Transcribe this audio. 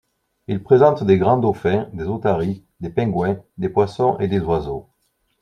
Il présente des grands dauphins, des otaries, des pingouins, des poissons et des oiseaux.